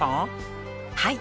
はい。